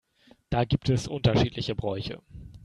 Da gibt es unterschiedliche Bräuche.